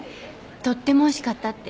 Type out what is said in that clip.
とってもおいしかったって。